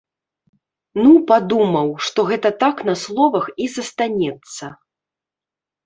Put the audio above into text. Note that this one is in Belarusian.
Ну, падумаў, што гэта так на словах і застанецца.